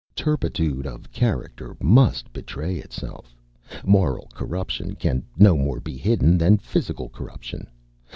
Turpitude of character must betray itself. Moral corruption can no more be hidden than physical corruption.